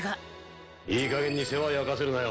いいかげんに世話焼かせるなよ。